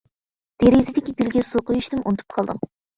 دېرىزىدىكى گۈلگە سۇ قۇيۇشنىمۇ ئۇنتۇپ قالدىڭ.